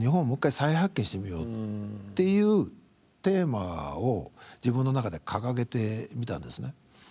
もう一回再発見してみようっていうテーマを自分の中で掲げてみたんですね。